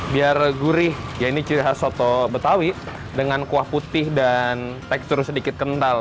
biar gurih ya ini ciri khas soto betawi dengan kuah putih dan tekstur sedikit kental